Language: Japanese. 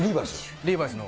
リーバイスの。